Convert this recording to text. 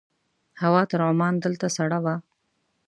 هوا تر عمان دلته سړه وه.